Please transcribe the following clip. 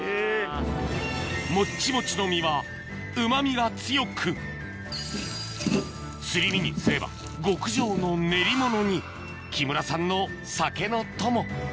モッチモチの身はうま味が強くすり身にすれば極上の練り物に木村さんの酒の友